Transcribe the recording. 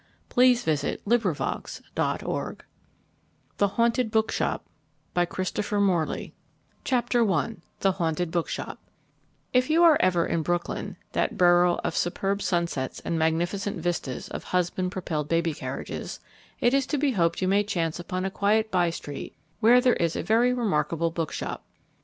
Philadelphia, April 28, 1919 The Haunted Bookshop Chapter I The Haunted Bookshop If you are ever in Brooklyn, that borough of superb sunsets and magnificent vistas of husband propelled baby carriages, it is to be hoped you may chance upon a quiet by street where there is a very remarkable bookshop.